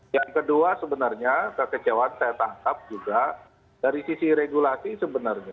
yang kedua sebenarnya kekecewaan saya tangkap juga dari sisi regulasi sebenarnya